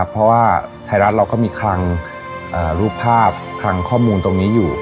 เพราะว่าไทยรัฐเราก็มีคลังรูปภาพคลังข้อมูลตรงนี้อยู่